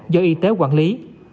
do y tế quản lý